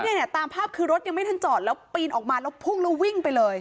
เนี่ยตามภาพคือรถยังไม่ทันจอดแล้วปีนออกมาแล้วพุ่งแล้ววิ่งไปเลย